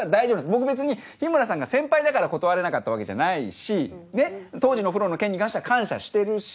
僕別に日村さんが先輩だから断れなかったわけじゃないし当時のお風呂の件に関しては感謝してるし。